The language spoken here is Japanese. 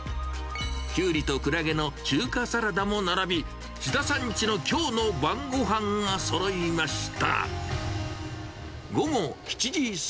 キュウリとクラゲの中華サラダも並び、志田さんちのきょうの晩ごはんがそろいました。